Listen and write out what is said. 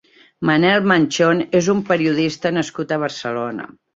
Manel Manchón és un periodista nascut a Barcelona.